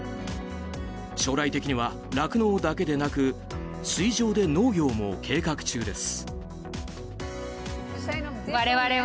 将来的には酪農だけでなく水上で農業も計画中です。